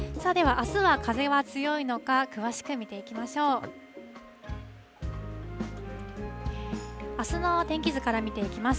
あすの天気図から見ていきます。